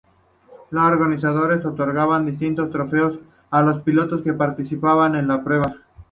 Los organizadores otorgaban distintos trofeos a los pilotos que participaban en la prueba.